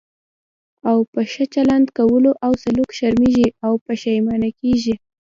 او په ښه چلند کولو او سلوک شرمېږي او پښېمانه کېږي.